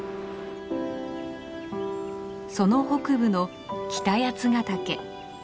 その北部の北八ヶ岳。